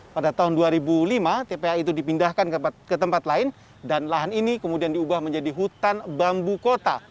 pada tahun dua ribu lima tpa itu dipindahkan ke tempat lain dan lahan ini kemudian diubah menjadi hutan bambu kota